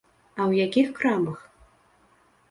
А ў якіх крамах?